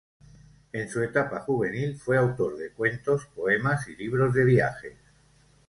En su etapa juvenil fue autor de cuentos, poemas y libros de viajes.